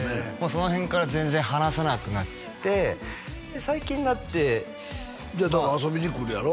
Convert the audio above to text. その辺から全然話さなくなって最近になってだから遊びに来るやろ？